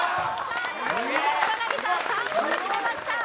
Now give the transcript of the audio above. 草なぎさん３本決めました。